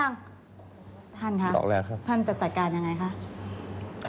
ท่านครับท่านจะจัดการยังไงคะ